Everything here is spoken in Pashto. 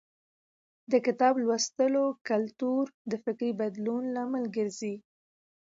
د کتاب لوستلو کلتور د فکري بدلون لامل ګرځي.